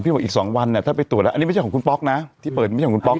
บอกอีก๒วันเนี่ยถ้าไปตรวจแล้วอันนี้ไม่ใช่ของคุณป๊อกนะที่เปิดไม่ใช่ของคุณป๊อก